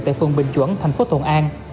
tại phường bình chuẩn tp thuận an